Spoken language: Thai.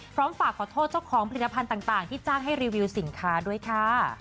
ฝากขอโทษเจ้าของผลิตภัณฑ์ต่างที่จ้างให้รีวิวสินค้าด้วยค่ะ